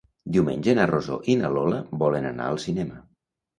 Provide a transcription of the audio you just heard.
Diumenge na Rosó i na Lola volen anar al cinema.